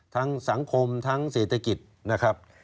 สังคมทั้งเศรษฐกิจนะครับ